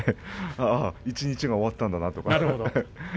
一日が終わったんだなとか。